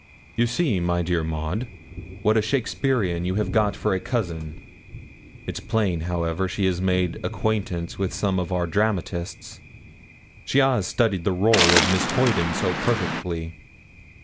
'You see, my dear Maud, what a Shakespearean you have got for a cousin. It's plain, however, she has made acquaintance with some of our dramatists: she has studied the rôle of Miss Hoyden so perfectly.'